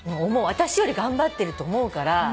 私より頑張ってると思うから。